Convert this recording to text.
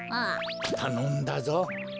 たのんだぞ。